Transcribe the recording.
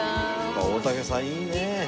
大竹さんいいねえ。